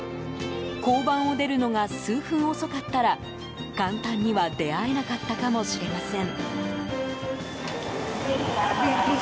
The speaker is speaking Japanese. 交番を出るのが数分遅かったら簡単には出会えなかったかもしれません。